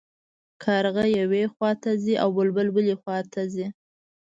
کارغه یوې خوا ته ځي او بلبل بلې خوا ته ځي.